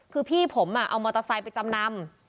คือพี่ผมเอามอเตอร์ไซค์ไปจำนำ